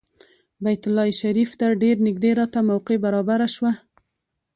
بیت الله شریفې ته ډېر نږدې راته موقع برابره شوه.